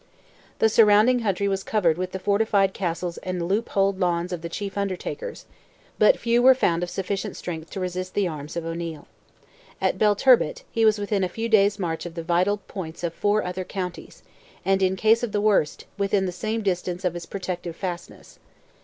The surrounding country was covered with the fortified castles and loop holed lawns of the chief Undertakers—but few were found of sufficient strength to resist the arms of O'Neil. At Belturbet, he was within a few days' march of the vital points of four other counties, and in case of the worst, within the same distance of his protective fastness.